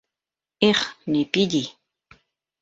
Их, Лепидий!